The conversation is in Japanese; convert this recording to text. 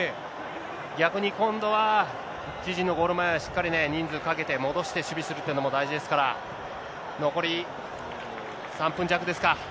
逆に今度は、自陣のゴール前はしっかりね、人数かけて戻して守備するというのも大事ですから、残り３分弱ですか。